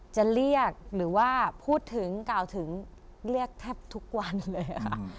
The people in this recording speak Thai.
จะเรียกหรือว่าพูดถึงกล่าวถึงเรียกแทบทุกวันเลยค่ะ